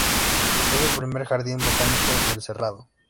Es es primer jardín botánico del "Cerrado".